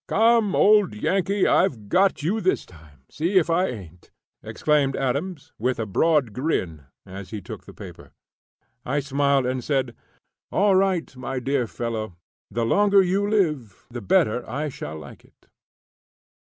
"Come, old Yankee, I've got you this time see if I hain't!" exclaimed Adams, with a broad grin, as he took the paper. I smiled, and said: "All right, my dear fellow; the longer you live, the better I shall like it."